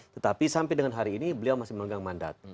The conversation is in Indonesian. tetapi sampai dengan hari ini beliau masih memegang mandat